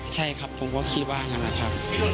ใช่ครับผมก็คิดว่างั้นนะครับ